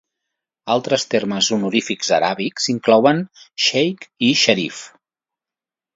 Altres termes honorífics aràbics inclouen xeic i xerif.